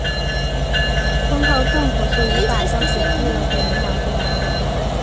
光靠政府是无法消除饥饿和营养不良的。